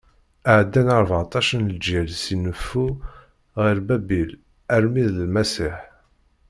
Ɛeddan rbeɛṭac n leǧyal si neffu ɣer Babil armi d Lmasiḥ.